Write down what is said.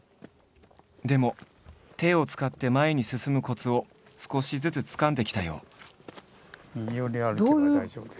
でも手を使って前に進むコツを少しずつつかんできたよう。